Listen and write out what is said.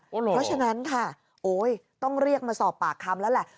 เพราะฉะนั้นค่ะโอ๊ยต้องเรียกมาสอบปากคำแล้วแหละ